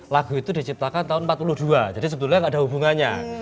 lagu itu diciptakan tahun seribu sembilan ratus empat puluh dua jadi sebetulnya nggak ada hubungannya